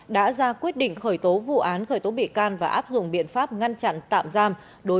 đã ra quyết định khởi tố vụ án khởi tố bị can và áp dụng biện pháp ngăn chặn tạm giam